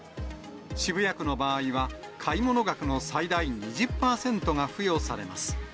渋谷区の場合は、買い物額の最大２０％が付与されます。